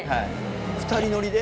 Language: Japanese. ２人乗りで？